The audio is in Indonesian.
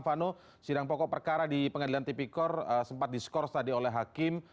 vano sidang pokok perkara di pengadilan tipikor sempat diskors tadi oleh hakim